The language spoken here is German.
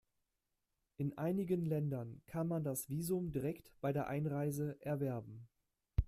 In einigen Ländern kann man das Visum direkt bei der Einreise erwerben.